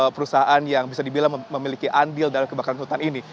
perusahaan yang bisa dibilang memiliki andil dalam kebakaran hutan ini